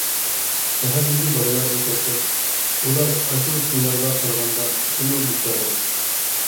شەھەردىكى بالىلارغا كەلسەك، ئۇلار ئاشۇ چوڭلارغا قارىغاندا تېخىمۇ بىچارە.